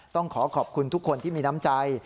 ต้องขอขอบคุณทุกคนที่มีน้ำใจ